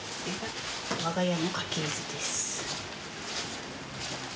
我が家の家系図です。